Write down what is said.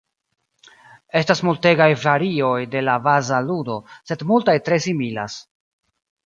Estas multegaj varioj de la baza ludo, sed multaj tre similas.